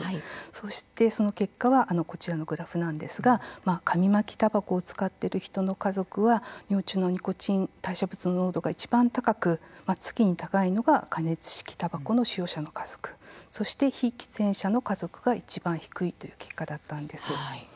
そしてその結果はこちらのグラフなんですが紙巻きたばこを使っている人の家族は尿中のニコチン代謝物の濃度がいちばん高く次に高いのが加熱式たばこの使用者の家族そして、非喫煙者の家族がいちばん低いという結果だったんです。